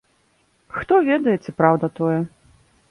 Хто ведае, ці праўда тое.